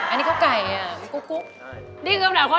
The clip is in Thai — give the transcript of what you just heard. อันนี้เขาไก่อย่างนี้กุ๊กกุ๊กกุ๊กกุ๊ก